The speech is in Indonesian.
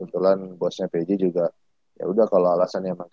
kebetulan bosnya pj juga yaudah kalo alasan emang kayak gitu